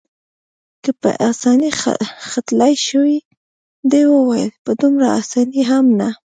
که نه په اسانۍ ختلای شوای، ده وویل: په دومره اسانۍ هم نه.